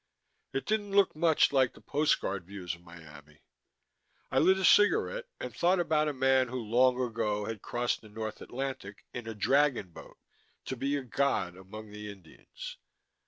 It didn't look much like the postcard views of Miami. I lit a cigarette and thought about a man who long ago had crossed the North Atlantic in a dragon boat to be a god among the Indians.